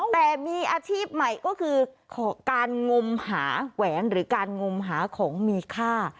แต่มีอาชีพใหม่ก็คือการงมหาแหวนหรือการงมหาของมีค่า